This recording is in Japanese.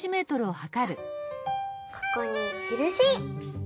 ここにしるし！